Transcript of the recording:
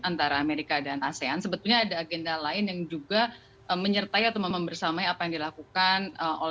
antara amerika dan asean sebetulnya ada agenda lain yang juga menyertai atau membersamai apa yang dilakukan